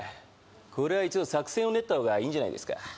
これは一度作戦を練ったほうがいいんじゃないですか？